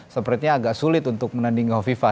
sepertinya agak sulit untuk menanding hovifa